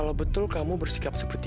kalo betul kamu bersikap